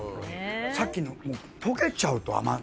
さっきの溶けちゃうと。